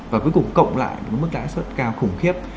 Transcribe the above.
và cuối cùng cộng lại mức lãi suất cao khủng khiếp